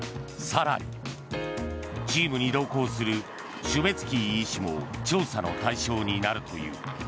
更にチームに同行するシュベツキー医師も調査の対象になるという。